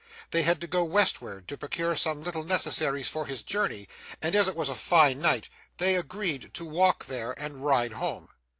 They had to go westward, to procure some little necessaries for his journey, and, as it was a fine night, they agreed to walk there, and ride home.